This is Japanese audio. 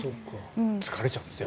疲れちゃうんですね。